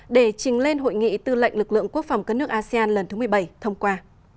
để trình lên hội nghị tư lệnh lực lượng quốc phòng các nước asean lần thứ một mươi bảy thông qua